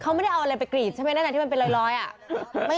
เขาไม่ได้เอาอะไรไปกรีดใช่มั้ยแต่มันบางทีมันเป็นร้อยอะ